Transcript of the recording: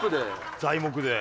材木で。